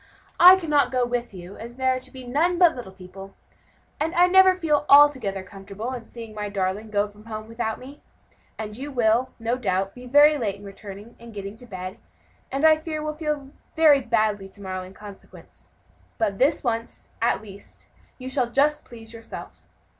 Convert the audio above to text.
"I cannot go with you, as there are to be none but little people, and I never feel altogether comfortable in seeing my darling go from home without me; and you will, no doubt, be very late in returning and getting to bed, and I fear will feel badly to morrow in consequence; but this once, at least, you shall just please yourself.